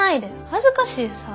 恥ずかしいさ。